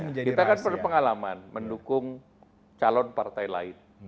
karena ada mekanisme ya kita kan punya pengalaman mendukung calon partai lain